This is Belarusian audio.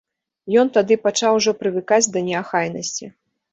Ён тады пачаў ужо прывыкаць да неахайнасці.